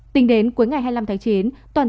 tính đến cuối ngày hai mươi năm tháng chín